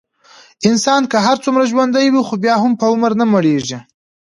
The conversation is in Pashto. انسان که هرڅومره ژوندی وي، خو بیا هم په عمر نه مړېږي.